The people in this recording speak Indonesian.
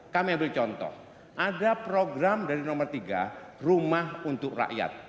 kami ambil contoh ada program dari nomor tiga rumah untuk rakyat